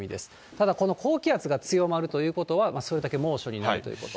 ただこの高気圧が強まるということは、それだけ猛暑になるということ。